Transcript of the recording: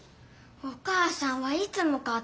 お母さんはいつもかって。